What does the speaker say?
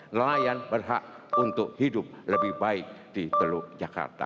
nelayan berhak untuk hidup lebih baik di teluk jakarta